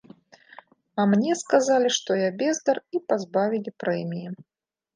А мне сказалі, што я бездар і пазбавілі прэміі.